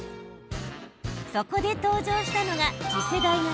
そこで登場したのが、次世代型。